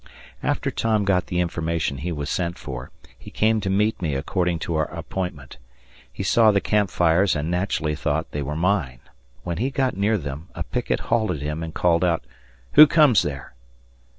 After Tom got the information he was sent for, he came to meet me according to our appointment. He saw the camp fires and naturally thought they were mine. When he got near them, a picket halted him and called out, "Who comes there?"